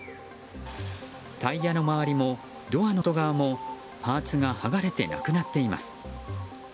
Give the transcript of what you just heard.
タイヤの周りもドアの外側もパーツが剥がれなくなっています。